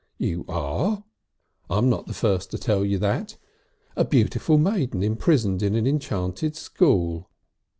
"You are. I'm not the first to tell you that. A beautiful maiden imprisoned in an enchanted school."